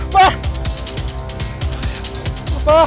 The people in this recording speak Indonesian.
kita mah ramadan ya